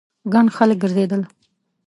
ګڼ خلک ګرځېدل.